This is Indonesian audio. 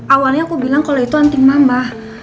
awalnya aku bilang kalau itu anting nambah